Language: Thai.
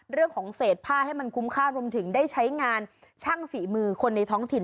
เรื่องของเศษผ้าให้มันคุ้มค่ารวมถึงได้ใช้งานช่างฝีมือคนในท้องถิ่น